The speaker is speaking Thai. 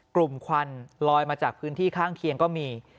ควันลอยมาจากพื้นที่ข้างเคียงก็มี